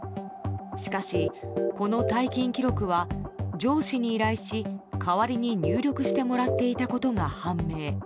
しかし、この退勤記録は上司に依頼し代わりに入力してもらっていたことが判明。